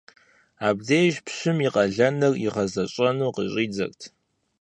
Абдеж пщым и къалэныр игъэзэщӀэну къыщӀидзэрт.